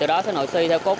sau đó dựa trên các mức